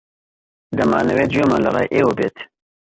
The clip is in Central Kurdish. دەمانەوێت گوێمان لە ڕای ئێوە بێت.